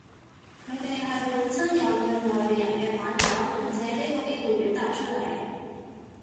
佢哋係，本身有對外地人嘅反感，借呢個機會表達出嚟